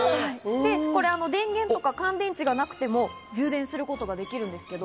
電源とか乾電池がなくても充電することができるんです。